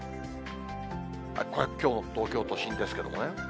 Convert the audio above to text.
これ、きょうの東京都心ですけれどもね。